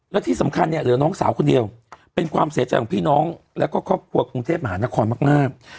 และที่สำคัญเนี่ยเหลือน้องสาวคนเดียวเป็นความเสียใจของพี่น้องแล้วก็ครอบครัวกรุงเทพมหานครมาก